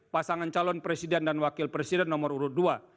pasangan calon presiden dan wakil presiden nomor urut dua